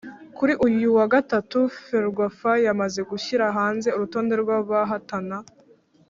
kuri uyu wa Gatanu Ferwafa yamaze gushyira hanze urutonde rw’abahatana